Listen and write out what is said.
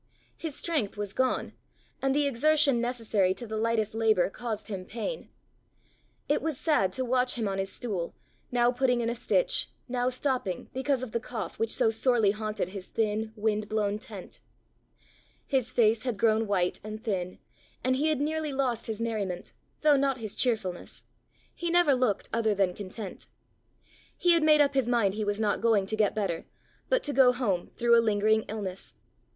His strength was gone, and the exertion necessary to the lightest labour caused him pain. It was sad to watch him on his stool, now putting in a stitch, now stopping because of the cough which so sorely haunted his thin, wind blown tent. His face had grown white and thin, and he had nearly lost his merriment, though not his cheerfulness; he never looked other than content. He had made up his mind he was not going to get better, but to go home through a lingering illness.